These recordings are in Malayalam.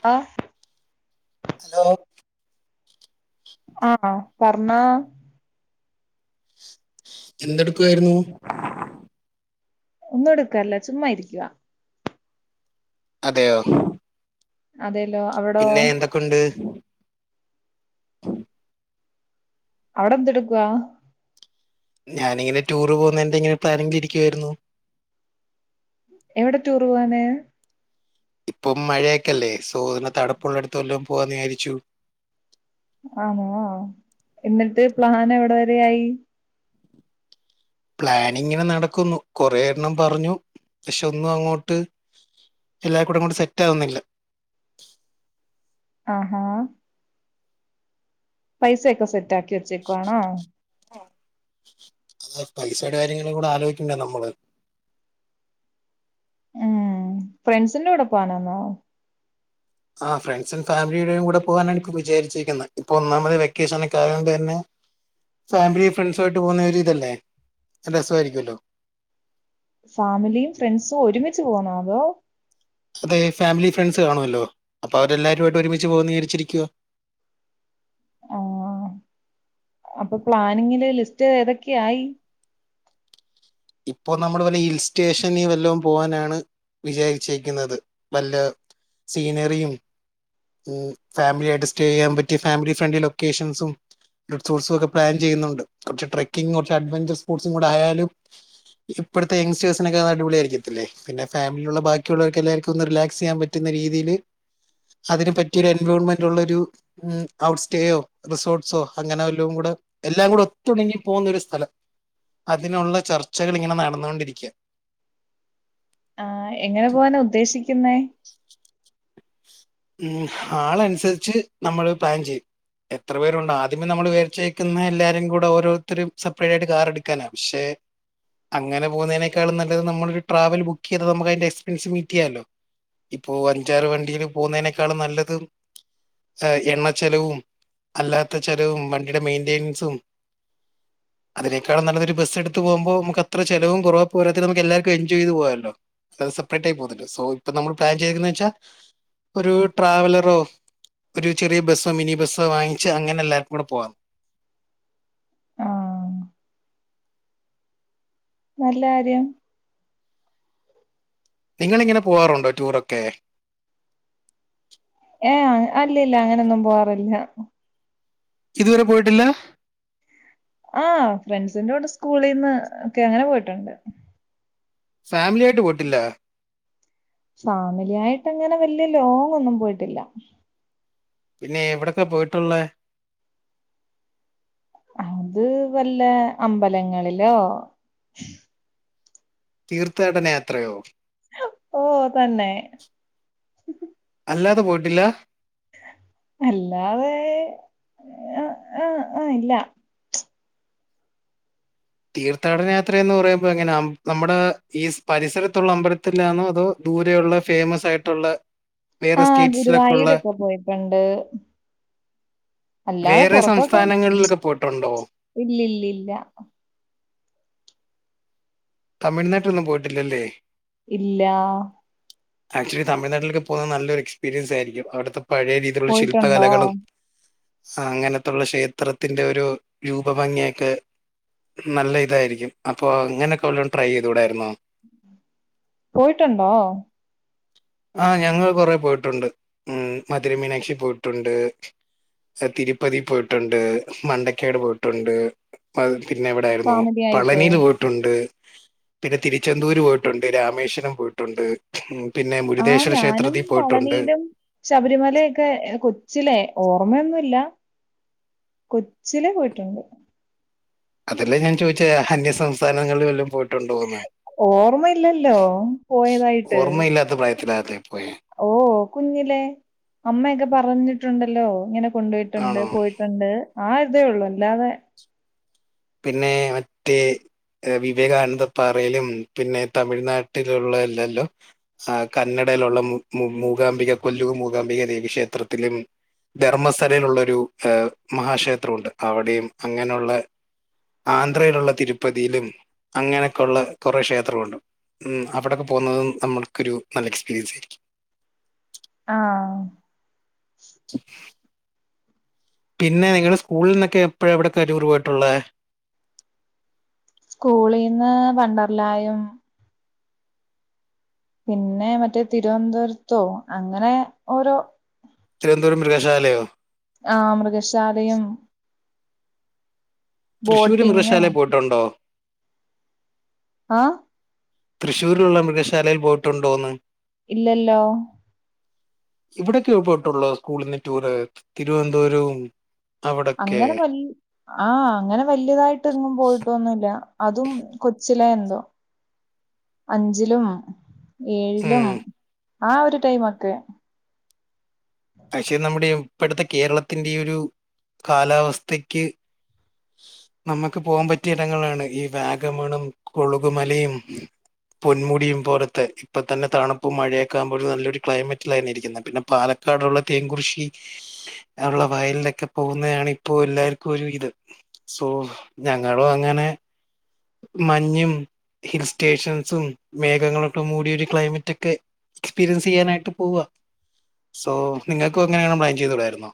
ആ ഹലോ ആഹ പറഞ്ഞോ. എന്തെടുക്കുവായിരുന്നു? ഒന്നും എടുക്കല്ല ചുമ്മാ ഇരിക്കുവാ. അതെയോ. അതെ. പിന്നെ എന്തൊക്കെയുണ്ട്? അവിടെ എന്ത് എടുക്കുവാ? ഞാാനിങ്ങനെ ടൂറ് പോവുന്നതിന്റെ ങ്ങനെ പ്ലാനിങ്ങിലിരിക്കുവായിരുന്നു. എവിടെ ടൂർ പോവാന്? ഇപ്പം മഴയൊക്കല്ലേ സോ തണുപ്പുള്ള അടുത്ത് വല്ലം പോവാന്ന് വിചാരിച്ചു. ആണോ എന്നിട്ട് പ്ലാൻ എവിടെ വരെ ആയി? പ്ലാനിങ്ങങ്ങനെ നടക്കുന്നു കൊറേ എണ്ണം പറഞ്ഞു പക്ഷെ ഒന്നും അങ്ങോട്ട്.... എല്ലാ കൂടങ്ങട്ട് സെറ്റാവുന്നില്ല. ആഹാ പൈസൊക്കെ സെറ്റ ആക്കി വെച്ചേക്കുവാണോ? അത പൈസയുടെ കാര്യങ്ങളും കൂടെ ആലോചിക്കണ്ട നമ്മള്. ഉം ഫ്രണ്ട്സിന്റെ കൂടെ പോവാനാന്നൊ? ആ ഫ്രണ്ട്സ് ഫാമിലിയുടെയും കൂടെ പോകാനാണ് ഇപ്പോ വിചാരിച്ചിരിക്കുന്നത് ഇപ്പൊ ഒന്നാമത് വെക്കേഷനൊക്കെ ആയോണ്ടെന്നെ..... ഫാമിലി ഫ്രണ്ട്സു ആയിട്ട് പോവുന്നതൊരി തല്ലേ രസായിരിക്കൊല്ലോ. ഫാമിലിയും ഫ്രണ്ട്സും ഒരുമിച്ച് പോവുന്നോ അതോ.... അതെ ഫാമിലി ഫ്രണ്ട്സ് കാണുമല്ലോ അപ്പൊ അവരെല്ലാരുമായിട്ട് ഒരുമിച്ച് പോവാന്ന് വിചാരിച്ചിരിക്കുവാ. [inaudible] ആഹ അപ്പൊ പ്ലാനിങ്ങില് ലിസ്റ്റ് ഏതൊക്കെയായി? ഇപ്പൊ നമ്മള് വല്ല ഹിൽ സ്റ്റേഷനി വല്ലോം പോവാനാണ്..... വിചാരിച്ചിക്കുന്നത് വല്ല സീനറിയും, ഉ ഫാമിലി ആയിട്ട് സ്റ്റേ ചെയ്യാൻ പറ്റിയ ഫാമിലി ഫ്രണ്ട്ലി ലൊക്കേഷൻസും, റിസോർസോക്കെ പ്ലാൻ ചെയ്യുന്നുണ്ട് കുറച്ച് ട്രക്കിങ് കുറച്ച് അഡ്വെഞ്ചർ സ്പോർട്സും കൂടെ ആയാലും..... ഇപ്പോഴത്തെ എങ്സ്റ്റേഴ്സിനൊക്കെ അടിപൊളിയായിരിക്കത്തില്ലേ പിന്നെ ഫാമിലിലുള്ള ബാക്കിയുള്ളവർക്കെല്ലാർക്കും റിലാക്സ് ചെയ്യാൻ പറ്റുന്നരിക്ക..... രീതിൽ.. അതിന് പറ്റിയൊരു എൻവിയോൺമെന്റുള്ളൊരു ഔട്ട് സ്റ്റേയോ റിസോർട്സോ അങ്ങനെല്ലാം കൂടെ.... എല്ലാം കൂടെ ഒത്തുണങ്ങി പോവുന്ന ഒരു സ്ഥലം അതിനുള്ള..... ചർച്ചകൾ ഇങ്ങനെ നടന്നുകൊണ്ടിരിക്യാ. ആ എങ്ങനെ പോവാന ഉദ്ദേശിക്കുന്നേ ഉം ഹ ആളനുസരിച്ച് നമ്മള് പ്ലാൻ ചെയ്യും എത്ര പേരുണ്ട് ആദ്യമേ നമ്മള് വിചാരിച്ചേരിക്കുന്നെ എല്ലാരും കൂടെ ഓരോരുത്തരും സെപ്പറേറ്റായിട്ട് കാറെടുക്കാന പക്ഷെ എ [unintelligible] അങ്ങനെ പോകുന്നതിനേക്കാളും നല്ലത് നമ്മളരു ട്രാവൽ ബുക്ക് ചെയ്ത് നമുക്ക് അതിന്റെ എക്സ്പെൻസ് മീറ്റ് ചെയ്യാലോ ഇപ്പോ അഞ്ചാറ് വണ്ടിയില് പോകുന്നതിനേക്കാളും നല്ലതും അ എണ്ണ ചെലവും അല്ലാത്ത ചെലവും വണ്ടിയുടെ മെയിന്റയിൻസും [inaudible] അതിനേക്കാളും നല്ലതൊരു ബസ് എടുത്ത് പോകുമ്പോ നമക്ക് അത്ര ചിലവും കുറവ പോരാത്തതിന് നമുക്ക്‌ എല്ലാർക്കും എൻജോയ് ചെയ്ത് പോകാല്ലോ അത് സെപ്പറേറ്റ് ആയി പോന്നണ്ട് സോ ഇപ്പൊ നമ്മൾ പ്ലാൻ ചെയ്തെക്കെന്ന് വെച്ചാ ഒരു ട്രാവലറോ ഒരു ചെറിയ ബസ്സോ മിനി ബസ്സോ വാങ്ങിച്ച് അങ്ങനെ എല്ലാർക്കും കൂടെ പോവാന്ന് [inaudible] ആഹ് നല്ല ആര്യം നിങ്ങളിങ്ങനെ പോവാറുണ്ടോ ടൂറൊക്കെ ഏയ് അല്ല ഇല്ല അങ്ങനൊന്നും പോവാറില്ല ഇതുവരെ പോയിട്ടില്ലാ? ആ ഫ്രണ്ട്സിന്റെ കൂടെ സ്കൂളീന്ന് ഒക്കെ അങ്ങനെ പോയിട്ടുണ്ട് ഫാമിലിയായിട്ട് പോയിട്ടില്ല? ഫാമിലിയായിട്ടങ്ങനെ വല്യ ലോങ് ഒന്നും പോയിട്ടില്ല പിന്നെയ് എവിടൊക്കെ പോയിട്ടുള്ളെ? അത് വല്ല അമ്പലങ്ങളിലോ തീർത്ഥാടന യാത്രയോ ഓ തന്നെ ടില്ല അല്ലാതെ അ അ ആ ഇല്ല തീർത്ഥാടന യാത്ര എന്ന് പറയുമ്പോ എങ്ങനെ ഉം നമ്മുടെ ഈസ് പരിസരത്തുള്ള അമ്പലത്തിലാന്നോ അതോ ദൂരെയുള്ള ഫേമസായിട്ടുള്ള ആ ഗുരുവായൂരൊക്കെ പോയിട്ടിണ്ട് അല്ലാതെ വേറെ പുറത്തോട്ടൊ മ്ച് സംസ്ഥാനങ്ങളിലൊക്കെ പോയിട്ടുണ്ടോ ഇല്ലില്ലില്ല തമിഴ്നാട്ടിലൊന്നും പോയിട്ടില്ലല്ലേ ഇല്ലാ ആക്ച്വലി തമിഴ്നാട്ടിലൊക്കെ പോകുന്നത് നല്ലൊരു എക്സ്പീരിയൻസ് ആയിരിക്കും അവിടുത്തെ പഴയ രീതിയിലുള്ള പോയിട്ടുണ്ടോ? ശില്പകലകളും. ആ അങ്ങനത്തുള്ള ക്ഷേത്രത്തിന്റെ ഒരു രൂപ ഭംഗിയൊക്കെ നല്ല ഇതായിരിക്കും അപ്പൊ ഇങ്ങനെയൊക്ക ഉള്ള ട്രൈയെയ്തുകൂടായിരുന്നോ പോയിട്ടുണ്ടോ? ആ ഞങ്ങൾ കൊറെ പോയിട്ടുണ്ട് ഉം മധുരമീനാക്ഷിയി പോയിട്ടുണ്ട് എ തിരുപ്പതി പോയിട്ടുണ്ട് മണ്ടക്കാട് പോയിട്ടുണ്ട് പിന്നെ എവിടായിരുന്നു ഫാമിലി ആയിട്ട് പളനിയില് പോയിട്ടുണ്ട്. പിന്നെ തിരുച്ചെന്തൂര് പോയിട്ടുണ്ട് രാമേശ്വരം പോയിട്ടുണ്ട് ഉം പിന്നെ ആ മുരുദേശ്വര ഞാനും ക്ഷേത്രത്തിൽ പോയിട്ടുണ്ട് പളനിയിലും ശബരിമലയൊക്കെ എ കൊച്ചിലെ ഓ ഓർമയൊന്നുല്ല കൊച്ചിലെ പോയിട്ടുണ്ട്. അതല്ലേ ഞാൻ ചോദിച്ചെ അന്യസംസ്ഥാനങ്ങളിൽ വല്ലോം പോയിട്ടുണ്ടോന്ന്? ഓർമ്മയില്ലല്ലോ പോയതായിട്ട്. ഓർമ്മയില്ലാത്ത പ്രായത്തിലാകത്തെ പോയെ ഓ കുഞ്ഞിലേ അമ്മയൊക്കെ പറഞ്ഞിട്ടുണ്ടല്ലോ ഇങ്ങനെ കൊണ്ടോയിട്ടുണ്ട് ആണോ പോയിട്ടുണ്ട് ആ ഒരിതേ ഉള്ളു അല്ലാതെ പിന്നെ മറ്റേ വിവേകാനന്ദപ്പാറയിലും പിന്നെ തമിഴ്നാട്ടിലുള്ള ല്ലല്ലോ ആ കന്ന ടയിലുള്ള മുമുമൂകാംബിക കൊല്ലു മൂകാംബിക ദേവിക്ഷേത്രത്തിലും ധർമ്മസലയിലുള്ളൊരു ഏ മഹാക്ഷേത്രണ്ട് അവിടെയും അങ്ങനെയുള്ള ആന്ധ്രയിലൊള്ള തിരുപ്പതിയിലും അങ്ങനെയൊക്കെ ഒള്ള കൊറേ ക്ഷേത്രങ്ങളൊണ്ട് ഉം അവിടൊക്കെ പോന്നതും നമ്മൾക്കൊരു നല്ല എക്സ്പീരിയൻസ് ആരിക്കും. ആഹ് പിന്നെ നിങ്ങടെ സ്കൂളിനെക്കെ എപ്പഴാ എവടേക്കാ ടൂറ് പോയിട്ടൊള്ളേ? സ്കൂളീന്ന് വണ്ടർലായും പിന്നെ മറ്റേ തിരുന്തോരേത്തോ അങ്ങനെ ഓരോ തിരുവന്തോരം മൃഗശാലയോ? ആഹ് മൃഗശാലയും തൃശ്ശൂര് ബോട്ടിങ്ങും മൃഗശാലേ പോയിട്ടൊണ്ടോ? ആഹ് തൃശ്ശൂരിലൊള്ള മൃഗശാലേ പോയിട്ടൊണ്ടോന്ന്? ഇല്ലല്ലോ. ഇവടൊക്കെയൊ പോയിട്ടൊള്ളോ സ്കൂളീന്ന് ടൂറ് തിരുവന്തോരവും അങ്ങനെ വല്ല്യ ആഹ് അങ്ങനെ വല്ല്യാതായിട്ട് എങ്ങും പോയിട്ടൊന്നു ഇല്ല അതും കൊ ലെ എന്തോ അഞ്ചിലും, ഏഴിലും ഉം ആഹ് ഒര് ടൈമൊക്കെ. പഷേ നമ്മടെ ഇപ്പഴത്തെ കേരളത്തിൻ്റെ ഒരു കാലാവസ്ഥക്ക് നമ്മക്ക് പോവാൻ പറ്റിയ ഇടങ്ങളാണ് ഈ വാഗമണും കൊളുക് മലയും പൊന്മുടിയും പോലത്തെ ഇപ്പം തന്നെ തണുപ്പും മഴയൊക്കെയാകുമ്പോഴ് നല്ലൊര് ക്ലൈമറ്റിലായിരിക്കുന്നേ പിന്നെ പാല ക്കാടൊള്ള തേൻകുറിശ്ശി അവടെയെള്ള വയലിലൊക്കെ പോകുന്നതാണ് ഇപ്പോ എല്ലാർക്കും ഒരു ഇത്. സോ ഞങ്ങളും അങ്ങനെ മഞ്ഞും ഹിൽ സ്റ്റേഷൻസും മേഘങ്ങളൊക്കെ മൂടിയൊര് ക്ലൈമറ്റ് ഒക്കെ എക്സ്പീരിയൻസ് ചെയ്യാനായിട്ട് പോവാ. സോ നിങ്ങക്കും ഇങ്ങനെയാണം പ്ലാൻ ചെയ്തുടാരുന്നോ?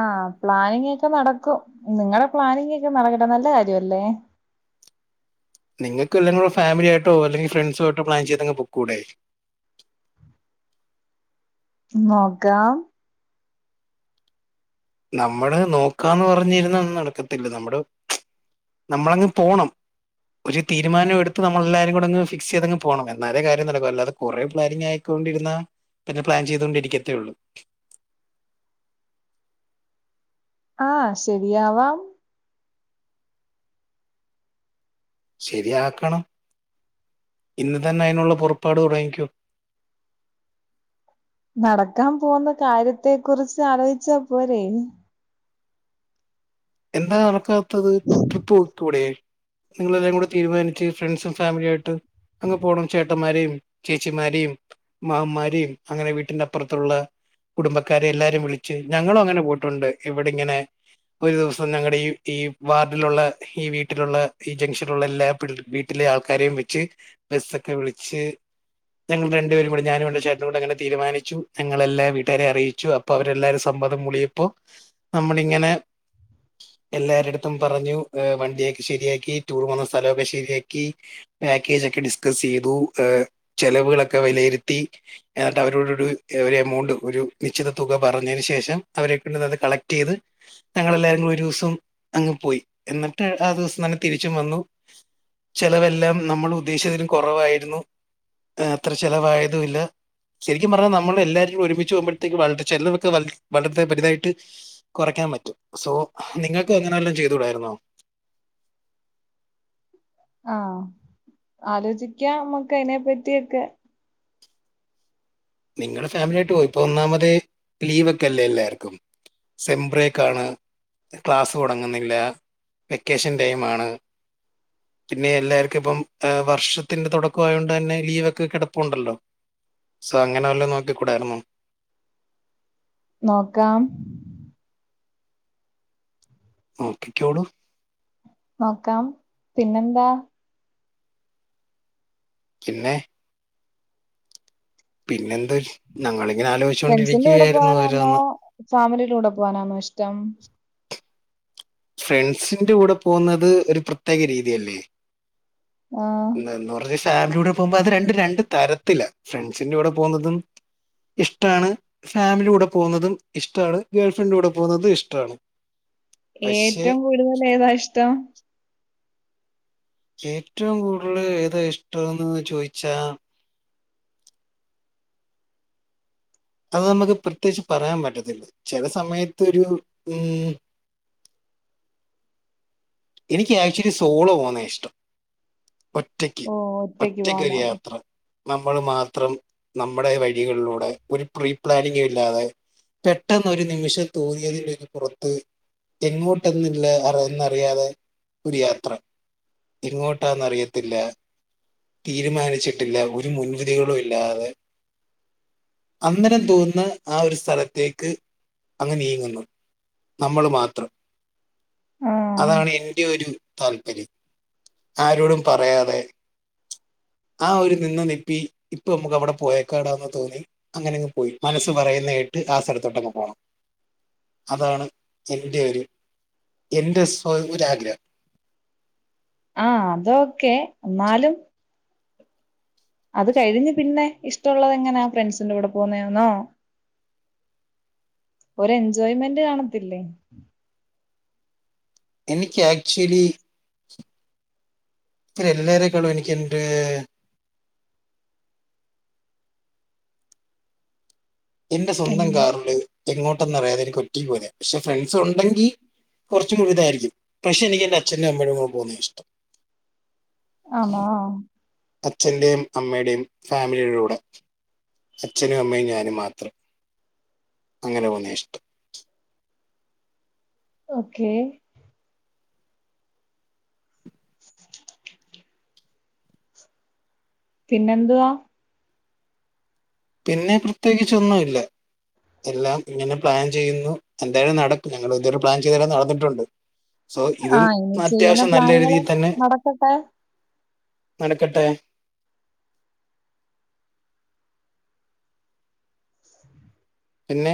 ആഹ് പ്ലാനിങ്ങ് ഒക്കെ നടക്കും നിങ്ങടെ പ്ലാനിങ്ങ് ഒക്കെ നടക്കട്ടെ നല്ല കാര്യല്ലേ? നിങ്ങക്ക് എല്ലാരുടെ ഫാമിലി ആയിട്ടോ അല്ലെങ്കി ഫ്രണ്ട്സും ആയിട്ടോ പ്ലാൻ ചെയ്ത് അങ്ങ് പൊക്കൂടെ? നോക്കാം നമ്മള് നോക്കാന്ന് പറഞ്ഞിരുന്നാ ഒന്നും നടക്കത്തില്ലാ നമ്മടെ നമ്മള് അങ്ങ് പോണം ഒര് തീരുമാനം എടുത്ത് നമ്മള് എല്ലാരും കൂടാങ്ങ് ഫിക്സ് ചെയ്തങ്ങ് പോണം എന്നാലേ കാര്യം നടക്കു അല്ലാതേ കൊറെ പ്ലാനിങ് ആയാൽ വച്ചോണ്ടിര്ന്നാ പിന്നെ പ്ലാൻ ചെയ്തൊണ്ടിരിക്കത്തേ ഒള്ളൂ ആഹ് ശരിയാവാം. ശരിയാക്കണം, ഇന്ന് തന്നെ അയിനുള്ള പൊറപ്പാട് തുടങ്ങിക്കോ. നടക്കാൻ പോന്ന് കാര്യത്തെ കുറിച്ച് ആലോചിച്ചാൽ പോരെ. എന്താ നടക്കാത്തത്, ട്രിപ്പ് പോയിക്കൂടെ. നിങ്ങളെല്ലാവരും കൂടെ തീരുമാനിച്ച് ഫ്രണ്ട്സും ഫാമിലിയായിട്ട് അങ്ങ് പോണം, ചേട്ടന്മാരെയും. ചേച്ചിമാരെയും മാമ്മാൻമാരെയും അങ്ങനെ വീട്ടിന്റെ അപ്പുറത്തുള്ള. കുടുംബക്കാരെ എല്ലാരും വിളിച്ച് ഞങ്ങളും അങ്ങനെ പോയിട്ട് ഒണ്ട് ഇവടെ ഇങ്ങനെ ഒരു ദിവസം ഞങ്ങളുടെ ഈ ഈ വാർഡിലുള്ള ഈ വീട്ടിലുള്ള ഈ ജംഗ്ഷനിലുള്ള എല്ലാ പിള്ള വീട്ടിലെ ആൾ. ക്കാരേം വെച്ച് ബസ്സൊക്കെ വിളിച്ച് ഞങ്ങൾ രണ്ട്പേരും കൂടെ ഞാനും അവൾടെ ചേട്ടനും കൂടെ അങ്ങനെ തീരുമാനിച്ചു ഞങ്ങളെല്ലാ വീട്ടുകാരെ അറിയിച്ചു അപ്പോ അവര് എല്ലാരും സമ് മ്മതം മൂളിയപ്പോ നമ്മളിങ്ങനെ എല്ലാരെടുത്തും പറഞ്ഞു യെ വണ്ടിയൊക്കെ ശരിയാക്കി ടൂർ പോന്നാ സ്ഥലോക്കെ ശരിയാക്കി പാക്കേ റ്റൊക്കെ ഡിസ്ക്കസ്സീതു ഏ ചെലവുകളെക്കേ വെലയിരുത്തി എന്നിട്ടവരോടൂടെ ഒരു അമൌ ണ്ട് ഒരു നിശ്ചിത തുക പറഞ്ഞേന് ശേഷം അവരെ കൊണ്ട് അത് കളക്റ്റ് ചെയ്ത് ഞങ്ങളേല്ലാരും ദിവസം അങ്ങ് പോയി എന്നിട്ട് ആ ദവസം തന്നെ തിരിച്ചും വന്നു ചെലവെല്ലാം നമ്മള് ഉദ്ദേശിച്ചതിലും കൊറവായിരുന്നു ഏ അത്ര ചെലവായതുല്ല ശെരിക്കും പറഞ്ഞാ നമ്മള് എല്ലാരും ഒരുമിച്ച് പോകുമ്പോഴത്തേക്ക് അതൊക്കെ ചെലവൊക്കെ വലിച് വലത്തേ ബരുതയായിട്ട് കൊറക്ക്യാ റ്റ സോ നിങ്ങൾക്ക് അങ്ങനെ വല്ലോം ചെയ്തുടാരുന്നോ? ആ ആലോചിക്കാം അമ്മക്ക് അയിനെ പറ്റിയൊക്കെ. നിങ്ങളുടെ ഫാമിലിയായിട്ട് പോയി ഇപ്പോ ഒന്നാമത് ലീവൊക്കെ അല്ലേ എല്ലാർക്കും. സിംബ്രേക്കാണ് ക്ലാസ്സ് തുടങ്ങുന്നില്ല വെക്കേഷൻ ടൈമാണ്. പിന്നെ എല്ലാർക്കും ഇപ്പം വർഷത്തിന്റെ തുടക്കം ആയോണ്ട് തന്നെ ലീവൊക്കെ കിടപ്പുണ്ടല്ലോ. സോ അങ്ങനെ വല്ല നോക്കിക്കൂടായിരുന്നോ? നോക്കാം. നോക്കിക്കോളു. നോക്കാം പിന്നെന്താ പിന്നെ പിന്നെൻ ന്ത് ഞങ്ങളിങ്ങനെ ഫ്രണ്ട്സിന്റെ കൂടെ ആലോചിച്ചൊണ്ടിരിക്കുകയായിരുന്നു പോകാനാന്നോ ഓരോന്ന് ഫാമിലിയുടെ കൂടെ പോകാനാന്നോ ഇഷ്ടം ഫ്രണ്ട്സിന്റെ കൂടെ പോകുന്നത് ഒരു പ്രത്യേക രീതിയല്ലേ. ആഹ് ന്ന് പറഞ്ഞ ഫാമിലിലൂടെ പോകുമ്പോ അത് രണ്ട് രണ്ട് തരത്തില ഫ്രണ്ട്സിന്റെറെ കൂടെ പോകുന്നതും ഇഷ്ടാണ് ഫാമിലി കൂടെ പോകുന്നതും ഇഷ്ടാണ് ഗേൾ ഫ്രണ്ട്ന്റെ കൂടെ പോകുന്നതും ഇഷ്ടാണ്. ഏറ്റവും കൂടുതൽ ഏതാ ഇഷ്ടം? ഏറ്റവും കൂടുതൽ ഏതാ ഇഷ്ടംന്ന് ചോയിച്ചാ? അത് നമുക്ക് പ്രത്യേകിച്ച് പറയാൻ പറ്റത്തില്ല ചില സമയത്തൊരു ഉം എനിക്ക് ആക്ച്വലി സോളോ പോന്ന ഇഷ്ടം ഒറ്റക്ക് ഓ ഒറ്റക്ക് ഒറ്റക്കൊരു പോണം യാത്ര. നമ്മൾ മാത്രം നമ്മുടെ വഴികളിലൂടെ ഒരു പ്രീപ്ലാനിങ് ഇല്ലാതെ പെട്ടെന്നൊരു നിമിഷം തോന്നിയതിലേക്ക് പുറത്ത് എങ്ങോട്ടന്നില്ലാ അറ അറിയാതെ ഒരു യാത്ര എങ്ങോട്ടാന്നറിയത്തില്ല. തീരുമാനിച്ചിട്ടില്ല ഒരു മുൻവിധികളും ഇല്ലാതെ അന്നേരം തോന്ന്ന്ന ആ ഒരു സ്ഥലത്തേക്ക് അങ്ങനെ നീങ്ങുന്നു നമ്മൾ മാത്രം ആഹ് അതാണ് ഇൻ ന്റെ ഒരു താല്പര്യം ആരോടും പറയാതെ ആ ഒരു നിന്ന നിപ്പി ഇപ്പ നമുക്ക് അവിടെ പോയക്കാടാന്ന് തോന്നി അങ്ങനെങ് പോയി മനസ്സ് പറയുന്ന കേ ആസലത്തോട്ടങ്ങ പോണം. അതാണ് എന്റെ ഒരു എന്റെ ഒര ആഗ്രഹം ആഹ! അതൊക്കെ എന്നാലും അത് കഴിഞ്ഞ് പിന്നെ ഇഷ്ടമുള്ളത് എങ്ങനാ ഫ്രണ്ട്സിന്റെ കൂടെ പോന്നേ ആന്നോ? ഒരു എൻജോയ്മെന്റ് കാണത്തില്ലേ? എനിക്ക് ആക്ച്വലി എല്ലാരേക്കാളും എനിക്ക് എന്റെ എൻന്റെ എൻ സ്വന്തം കാറില് എങ്ങോട്ടൊന്ന അറിയാതെ എനിക്ക് ഒറ്റക്ക് പോയ പക്ഷെ ഫ്രണ്ട്സ് ഉണ്ടെങ്കിൽ കുറച്ച മുഴുതായിരിക്കും പക്ഷെ എനിക്ക് എന്റെ അച്ഛനും അമ്മയും കൂടെ പോന്ന ഇഷ്ടം ആണോ അച്ഛന്റെയും അമ്മയുടെയും ഫാമിലിലൂടെ അച്ഛനും അമ്മയും ഞാനും മാത്രം അങ്ങനെ പോന്നേ ഇഷ്ടം. ഓക്കെ. [unintelligible] പിന്നെന്തുവാ? പിന്നെ പ്രത്യേകിച്ചൊന്നും ഇല്ല. എല്ലാം ഇങ്ങനെ പ്ലാൻ ചെയ്യുന്നു എന്തായാലും നടക്കും ഞങ്ങ ഇതുവരു പ്ലാൻ ചെയ്ത നടന്നിട്ടുണ്ട്. സോ ഇതും ആഹ് ഇനി ചെയ്യുന്ന അത്യാവശ്യം നല്ല പ്ലാനുകള് രീതിയിൽ തന്നെ- നടക്കട്ടെ നടക്കട്ടെ. ശ്...... പിന്നെ